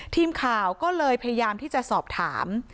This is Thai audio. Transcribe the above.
ทีมข่าวก็เลยพยายามที่จะสอบถาม